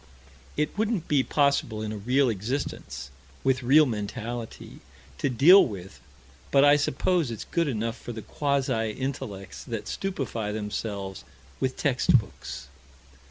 It wouldn't be possible in a real existence, with real mentality, to deal with, but I suppose it's good enough for the quasi intellects that stupefy themselves with text books.